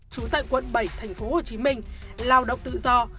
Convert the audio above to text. trú tại quận bảy tp hcm lao động tự do